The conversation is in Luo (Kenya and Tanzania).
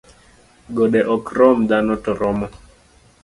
Gode ok rom dhano to romo